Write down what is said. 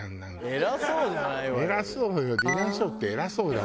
偉そうよ。